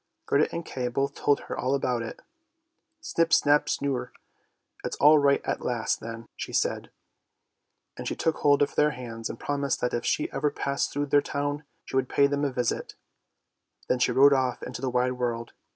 Gerda and Kay both told her all about it. " Snip, snap, snurre, it's all right at last then! " she said, and she took hold of their hands and promised that if she ever passed through their town she would pay them a visit. Then she rode off into the wide world.